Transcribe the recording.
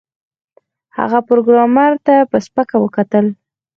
هغه پروګرامر ته په سپکه وکتل